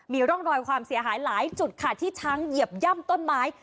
มีร่องรอยความเสียหายหลายจุดค่ะที่ช้างเหยียบย่ำต้นไม้